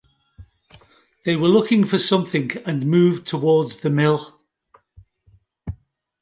They were looking for something, and moved towards the mill.